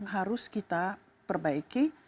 harus kita perbaiki